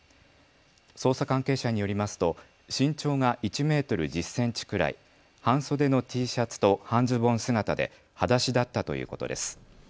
捜査関係者によりますと身長が１メートル１０センチくらい、半袖のＴシャツと半ズボン姿ではだしだったということです。